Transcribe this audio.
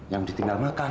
yang ditinggal makan